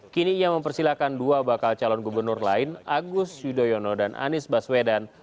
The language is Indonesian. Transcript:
kini ia mempersilahkan dua bakal calon gubernur lain agus yudhoyono dan anies baswedan